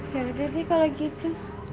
ya udah dia kalau gitu